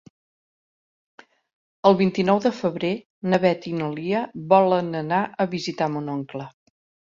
El vint-i-nou de febrer na Beth i na Lia volen anar a visitar mon oncle.